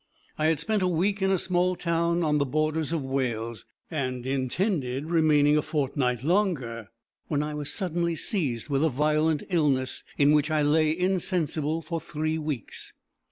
I had spent a week in a small town on the borders of Wales, and intended remaining a fortnight longer, when I was suddenly seized with a violent illness, in which I lay insensible for three weeks.